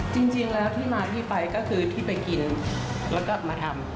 จริงแล้วที่มาที่ไปก็คือที่ไปกินแล้วก็มาทำ